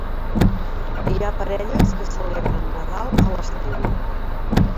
Hi ha parelles que celebren Nadal a l'estiu.